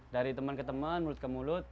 dari teman ke temen mulut ke mulut